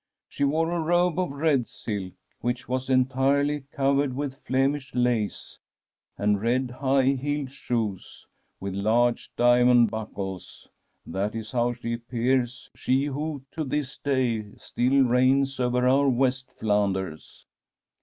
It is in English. She wore a robe of red silk, which was entirely cov ered with Flemish lace, and red, high heeled shoes, with large diamond buckles. That is how she appears, she who to this day still reigns over our West Flanders.